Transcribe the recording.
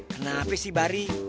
kenapa sih bari